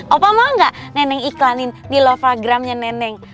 opa mau gak neneng iklanin di lovagramnya neneng